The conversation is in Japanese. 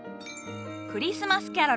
クリスマスキャロル。